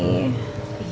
terus perlukan ke bali